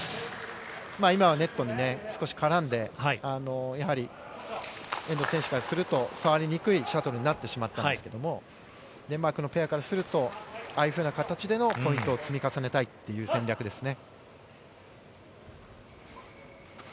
今はネットに少し絡んで、やはり遠藤選手からすると、触りにくいシャトルになってしまったんですけども、デンマークのペアからすると、ああいうふうな形でのポイントを積み重ねたいっていう戦略ですね。